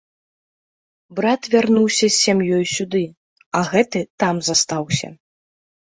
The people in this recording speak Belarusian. Брат вярнуўся з сям'ёй сюды, а гэты там застаўся.